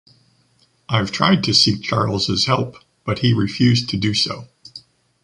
I’ve tried to seek Charles’ help but he refused to do so.